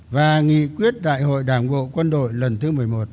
và nghị quyết đại hội đảng bộ quân đội lần thứ một mươi một